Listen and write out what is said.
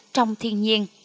trong thiên nhiên